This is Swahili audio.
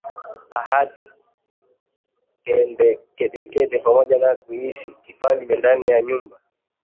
ahadi kedekede pamwe na kuishi kifalme ndani ya nyumba